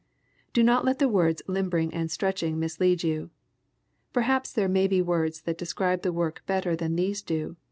Do not let the words "limbering and stretching" mislead you. Perhaps there may be words that describe the work better than these do.